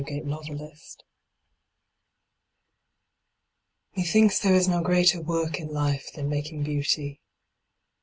BEAUTY MAKING Methinks there is no greater work in life Than making beauty.